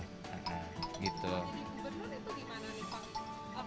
jadi gubernur itu di mana nih pak